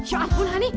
ya ampun hani